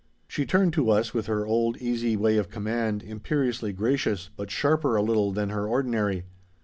She turned to us with her old easy way of command, imperiously gracious, but sharper a little than her ordinary.